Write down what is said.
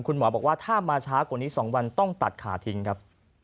คุณหมอบอกว่าถ้ามาช้ากว่านี้๒วันต้องตัดขาทิ้งครับ